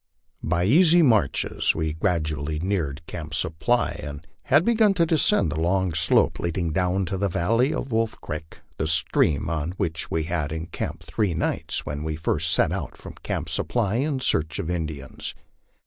By easy marches we gradually neared Camp Supply, and had begun to descend the long slope leading clown to the valley of Wolf creek, the stream on which we had en camped three nights when we first set out from Camp Supply in search of Indians.